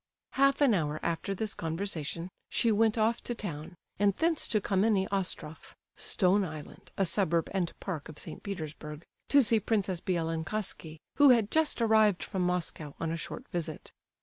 Half an hour after this conversation, she went off to town, and thence to the Kammenny Ostrof, ["Stone Island," a suburb and park of St. Petersburg] to see Princess Bielokonski, who had just arrived from Moscow on a short visit.